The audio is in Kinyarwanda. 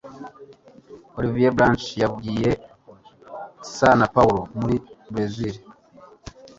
Olivier Blanchard, yavugiye i San Paulo muri Burezili,